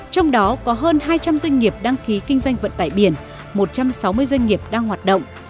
trong đó có hơn hai trăm linh doanh nghiệp đăng ký kinh doanh vận tải biển một trăm sáu mươi doanh nghiệp đang hoạt động